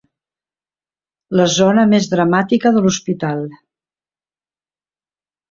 La zona més dramàtica de l'hospital.